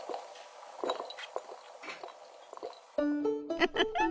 ウフフ。